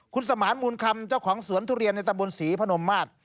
คุณสมานมูลคำเจ้าของสวนทุเรียนในตะบนศรีพนมมาตร